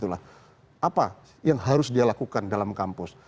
apa yang harus dilakukan dalam kampus